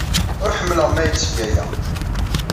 Ur ḥemmleɣ mi ad yetteg aya.